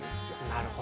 なるほど。